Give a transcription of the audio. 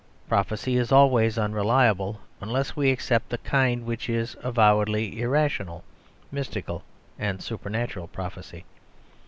Prophecy is always unreliable; unless we except the kind which is avowedly irrational, mystical and supernatural prophecy.